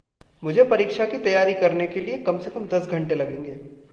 मुझे परीक्षा की तैयारी करने के लिए कम-से-कम दस घंटे लगेंगे।